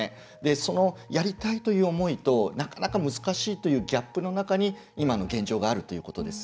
そのやりたいという思いとなかなか、難しいというギャップの中に今の現状があるということです。